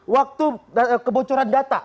waktu kebocoran data